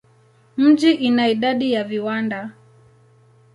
Mji ina idadi ya viwanda.